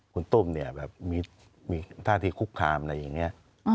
คุณตุ้มเนี่ยแบบมีท่าที่คุกคามอะไรอย่างนี้